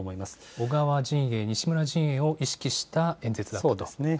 小川陣営、西村陣営を意識した演説だったと。